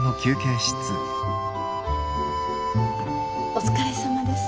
お疲れさまです。